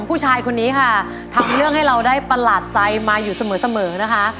ผู้ชายคนนี้ค่ะทำเรื่องให้เราได้ประหลาดใจมาอยู่เสมอนะคะ